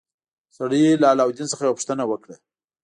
سړي له علاوالدین څخه یوه پوښتنه وکړه.